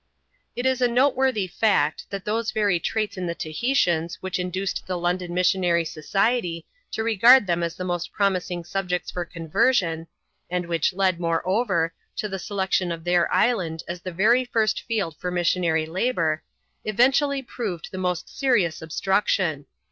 * It is a noteworthy fact, that those very traits in the Tahitians which induced the London Missionary Society to regard them as the most promising subjects for conversion, and which led, moreover, to the selection of their island as the very first field for missionary labour, eventually proved the most serious ob struction.